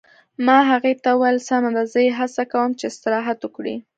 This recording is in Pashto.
ما هغې ته وویل: سمه ده، زه یې هڅه کوم چې استراحت وکړي.